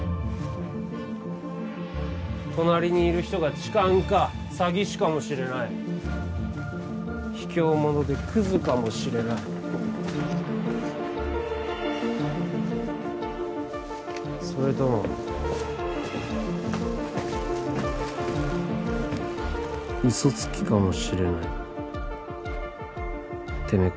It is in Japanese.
隣にいる人が痴漢か詐欺師かもしれない卑怯者でクズかもしれないそれとも嘘つきかもしれないてめえ